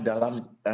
dan juga para atlet